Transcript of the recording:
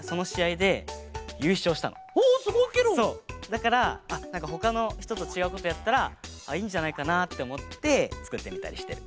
だからほかのひととちがうことやったらいいんじゃないかなっておもってつくってみたりしてる。